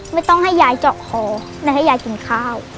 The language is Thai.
ไม่ต้องให้ยายเจาะคอไม่ให้ยายกินข้าว